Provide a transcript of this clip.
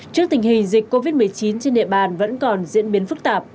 trước tình hình dịch covid một mươi chín trên địa bàn vẫn còn diễn biến phức tạp